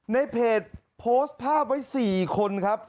ในเพจโพสต์ภาพไว้๔คนครับ